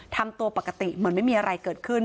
เธอก็เลยเอาประกติเหมือนไม่มีอะไรเกิดขึ้น